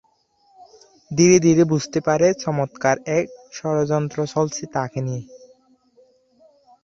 ধীরে ধীরে বুঝতে পারে চমৎকার এক ষড়যন্ত্র চলছে তাকে নিয়ে।